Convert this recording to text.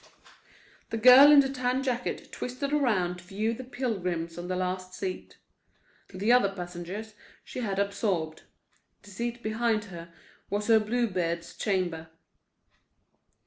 The girl in the tan jacket twisted around to view the pilgrims on the last seat. The other passengers she had absorbed; the seat behind her was her Bluebeard's chamber.